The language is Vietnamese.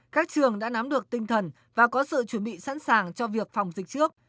các trường đã nắm được tinh thần và có sự chuẩn bị sẵn sàng cho việc phòng dịch trước